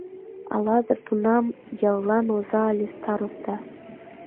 А Лазыр тунам яллан оза ыле, староста.